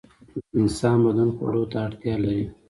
د انسان بدن خوړو ته اړتیا لري.